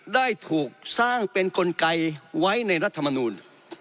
ได้ถูกสร้างเป็นกลไกไว้ในรัฐมนูล